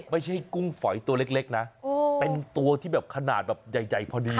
ไม่ใช่กุ้งฝอยตัวเล็กนะเป็นตัวที่แบบขนาดใยเพราะนี้